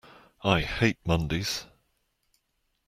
I hate Mondays!